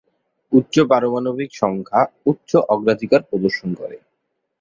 উচ্চ পারমাণবিক সংখ্যা উচ্চ অগ্রাধিকার প্রদর্শন করে।